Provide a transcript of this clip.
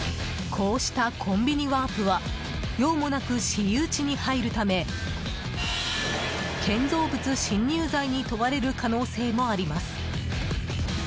こうしたコンビニワープは用もなく私有地に入るため建造物侵入罪に問われる可能性もあります。